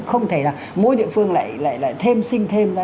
không thể là mỗi địa phương lại lại thêm sinh thêm ra